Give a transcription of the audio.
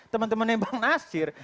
teman temannya bang nasir